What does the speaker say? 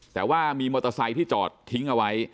แต่ว่ามีมอเตอร์ไซค์ที่จอดทิ้งเอาไว้